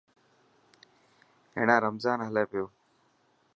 هيڻا رمضان هلي پيو.